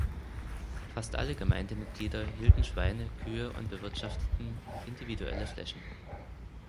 Fast alle Gemeindemitglieder hielten Schweine, Kühe und bewirtschafteten individuelle Flächen.